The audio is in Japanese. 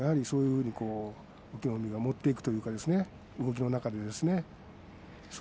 そういうふうに隠岐の海が持っていくというかですね